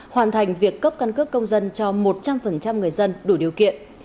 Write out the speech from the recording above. hoàn thành việc cấp căn cước công dân cho một trăm linh người dân đủ điều kiện